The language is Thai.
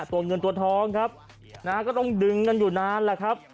ตัวเงินตัวทองครับนะฮะก็ต้องดึงกันอยู่นานแหละครับ